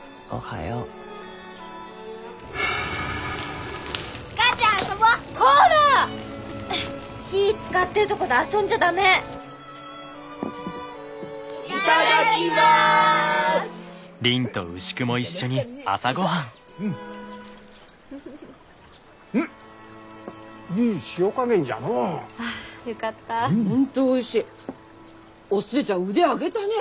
お寿恵ちゃん腕上げたね！